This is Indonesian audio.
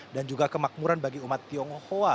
dan juga kemakmuran bagi umat tionghoa